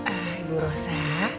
ah ibu rosa